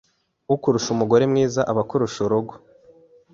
‘ukurusha umugore mwiza, aba akurusha urugo’